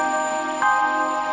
kenapa sudah ada pajaknya